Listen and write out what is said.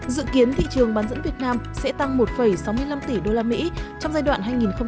dự kiến thị trường bán dẫn việt nam sẽ tăng một sáu mươi năm tỷ usd trong giai đoạn hai nghìn hai mươi một hai nghìn hai mươi